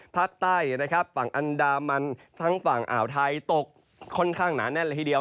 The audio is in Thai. ภาคใต้นะครับฝั่งอันดามันทั้งฝั่งอ่าวไทยตกค่อนข้างหนาแน่นเลยทีเดียว